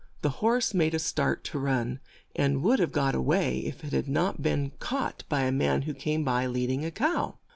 The horse made a start to run, and would have got a way if it had not been caught by a man who came by, lead ing a cow.